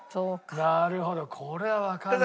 なるほどこれはわかんないわ。